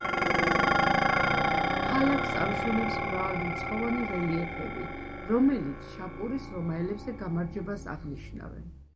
ქალაქს ამშვენებს მრავალრიცხოვანი რელიეფები, რომელიც შაპურის რომაელებზე გამარჯვებას აღნიშნავენ.